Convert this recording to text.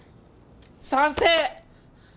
賛成！